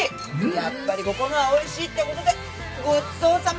やっぱりここのは美味しいって事でごちそうさま。